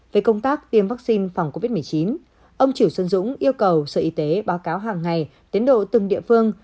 về công tác tiêm vaccine phòng covid một mươi chín ông triều xuân dũng yêu cầu sở y tế báo cáo hàng ngày tiến độ từng địa phương